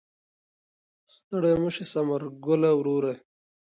ستړی مه شې ثمر ګله وروره.